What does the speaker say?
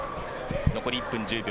残り１分１０秒。